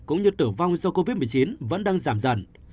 cũng như tử vong do covid một mươi chín vẫn đang giảm dần